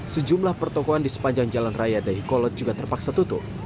sejumlah pertokohan di sepanjang jalan raya dahi kolot juga terpaksa tutup